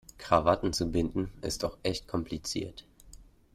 Krawatten zu binden, ist auch echt kompliziert.